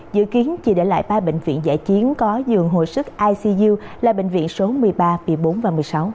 dự kiến chỉ để lại ba bệnh viện giải chiến có dường hồi sức icu là bệnh viện số một mươi ba một mươi bốn và một mươi sáu